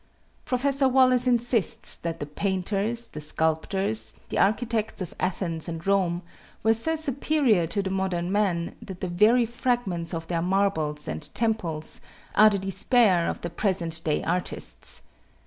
Professor Wallace insists that the painters, the sculptors, the architects of Athens and Rome were so superior to the modern men that the very fragments of their marbles and temples are the despair of the present day artists.